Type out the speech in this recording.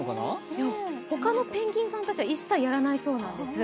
他のペンギンさんたちは一切やらないそうなんです。